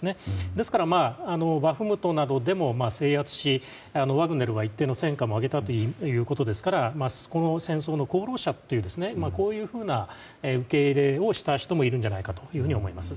ですからバフムトなどでも制圧しワグネルは一定の戦果を挙げたということですからこの戦争の功労者というこういうふうな受け入れをした人もいるんじゃないかと思います。